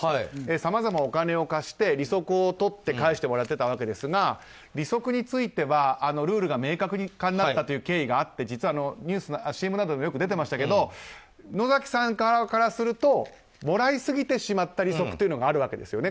さまざまお金を貸して利息を取って返してもらっていたわけですが利息についてはルールが明確になったという経緯があって実はＣＭなどで出てましたが野崎さん側からするともらいすぎてしまった利息があるわけですよね。